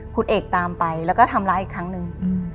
คุณเอกตามไปแล้วก็ทำร้ายอีกครั้งหนึ่ง